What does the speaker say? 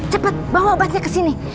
cepat bawa obatnya ke sini